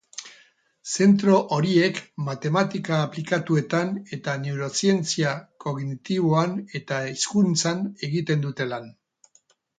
Zentro horiek matematika aplikatuetan eta neurozientzia kognitiboan eta hizkuntzan egiten dute lan.